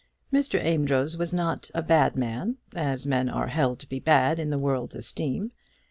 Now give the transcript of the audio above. Mr. Amedroz was not a bad man, as men are held to be bad in the world's esteem.